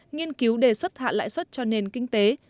nghiên cứu đề xuất hạ lãi suất cho nền kinh tế